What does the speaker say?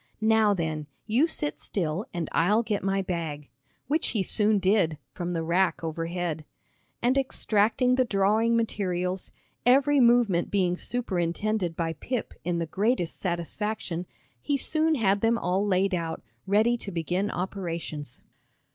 "Now then, you sit still and I'll get my bag," which he soon did, from the rack overhead. And extracting the drawing materials, every movement being superintended by Pip in the greatest satisfaction, he soon had them all laid out, ready to begin operations.